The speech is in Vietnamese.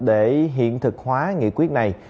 để hiện thực hóa nghị quyết này